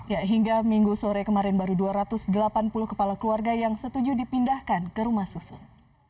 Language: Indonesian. ya hingga minggu sore kemarin baru dua ratus delapan puluh kepala keluarga yang setuju dipindahkan ke rumah susun